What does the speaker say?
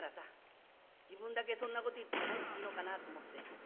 自分だけそんなこと言って帰っていいのかなと思って。